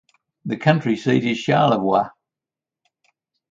The county seat is Charlevoix.